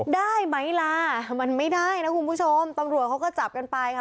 ได้ไหมล่ะมันไม่ได้นะคุณผู้ชมตำรวจเขาก็จับกันไปค่ะ